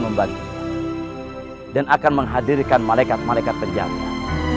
membalik dan akan menghadirkan malaikat malaikat terjangkau